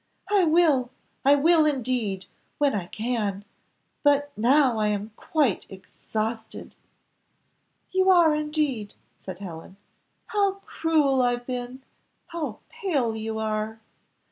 "I will, I will indeed, when I can but now I am quite exhausted." "You are indeed," said Helen, "how cruel I have been! how pale you are!"